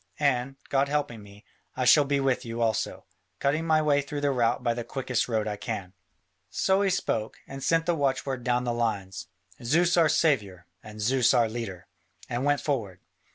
And, God helping me, I shall be with you also, cutting my way through the rout by the quickest road I can. So he spoke, and sent the watchword down the lines, "Zeus our saviour, and Zeus our leader," and went forward.